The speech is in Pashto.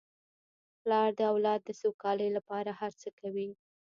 پلار د اولاد د سوکالۍ لپاره هر څه کوي.